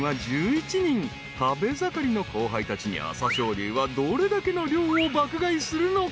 ［食べ盛りの後輩たちに朝青龍はどれだけの量を爆買いするのか？］